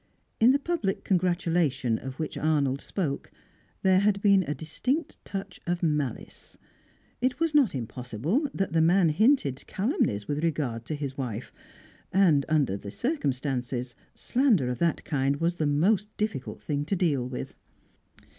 In the public congratulation of which Arnold spoke, there had been a distinct touch of malice. It was not impossible that the man hinted calumnies with regard to his wife, and, under the circumstances, slander of that kind was the most difficult thing to deal with.